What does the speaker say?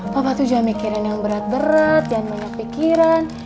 bapak tuh jangan mikirin yang berat berat dan banyak pikiran